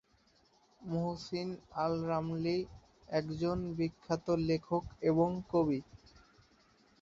Muhsin Al Ramli একজন বিখ্যাত লেখক এবং কবি।